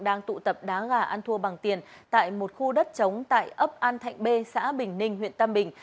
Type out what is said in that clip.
đang tụ tập đá gà ăn thua bằng tiền tại một khu đất chống tại ấp an thạnh b xã bình ninh huyện tam bình